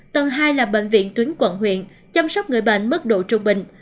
tầng hai là bệnh viện tuyến quận huyện chăm sóc người bệnh mức độ trung bình